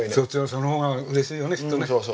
その方が嬉しいよねきっとね。